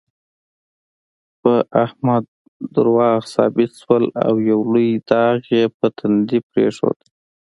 په احمد دروغ ثبوت شول، او یو لوی داغ یې په تندي پرېښود.